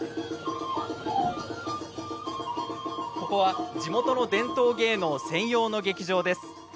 ここは地元の伝統芸能専用の劇場です。